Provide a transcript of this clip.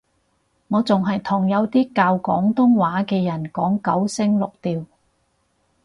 我仲係同有啲教廣東話嘅人講九聲六調